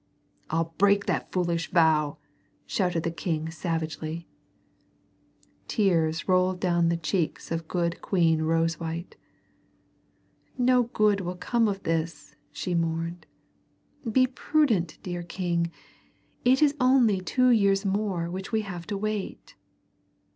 "I'll break that foolish vow!" shouted the king savagely. Tears rolled down the cheeks of good Queen Rosewhite. "No good will come of this," she mourned. "Be prudent, dear king. It is only two years more which we have to wait."